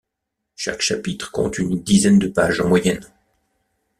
Chaque chapitre compte une dizaine de pages en moyenne.